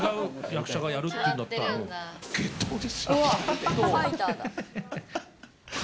違う役者がやるっていうんだったら、もう決闘ですよね。